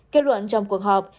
kết luận trong cuộc họp